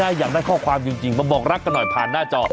ถ้าอยากได้ข้อความจริงมาบอกรักกันหน่อยผ่านหน้าจอ